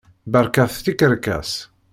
Berkat tikerkas.